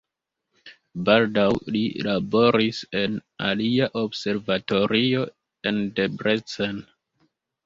Baldaŭ li laboris en alia observatorio en Debrecen.